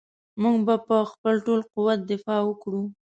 موږ به په خپل ټول قوت دفاع وکړو.